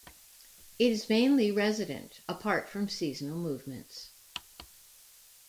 It is mainly resident, apart from seasonal movements.